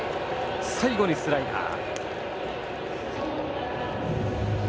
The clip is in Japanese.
最後にスライダー。